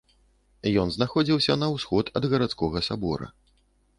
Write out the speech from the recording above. Ён знаходзіўся на ўсход ад гарадскога сабора.